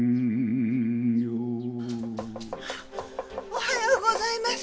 おはようございます。